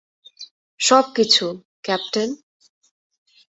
সবকিছু, ক্যাপ্টেন।